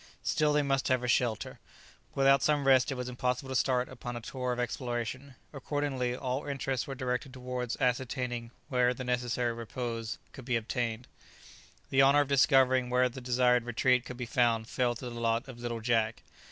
Still they must have a shelter. Without some rest it was impossible to start upon a tour of exploration; accordingly, all interests were directed towards ascertaining where the necessary repose could be obtained. The honour of discovering where the desired retreat could be found fell to the lot of little Jack.